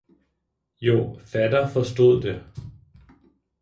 Jo, fatter forstod det.